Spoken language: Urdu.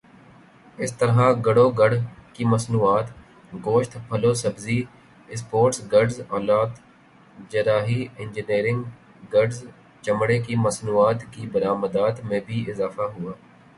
اسی طرح گڑ و گڑ کی مصنوعات گوشت پھل وسبزیوں اسپورٹس گڈز آلات جراحی انجینئرنگ گڈز چمڑے کی مصنوعات کی برآمدات میں بھی اضافہ ہوا